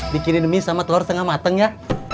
bikinin mie sama telur setengah mateng ya